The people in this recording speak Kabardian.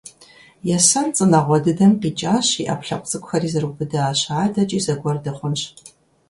Есэн цӀынэгъуэ дыдэм къикӀащ, и Ӏэпкълъэпкъ цӀыкӀухэр зэрыубыдащ. АдэкӀи зыгуэр дыхъунщ.